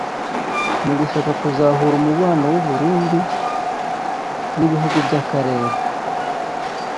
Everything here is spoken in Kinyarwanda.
Mu gushaka kuzahura umubano w’u Burundi n’ ibihugu by’akarere